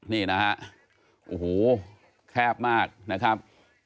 นี่นะฮะโอ้โหแคบมากนะครับ